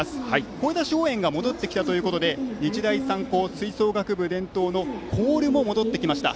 声出し応援が戻ってきたということで日大三高吹奏楽部伝統のコールも戻ってきました。